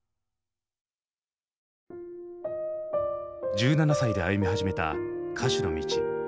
１７歳で歩み始めた歌手の道。